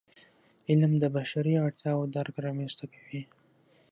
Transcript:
علم د بشري اړتیاوو درک رامنځته کوي.